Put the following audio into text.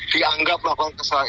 dianggap lakukan kesalahan